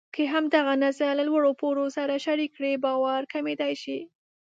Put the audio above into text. که همدغه نظر له لوړ پوړو سره شریک کړئ، باور کمېدای شي.